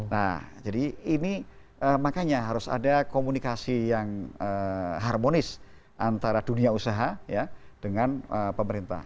nah jadi ini makanya harus ada komunikasi yang harmonis antara dunia usaha dengan pemerintah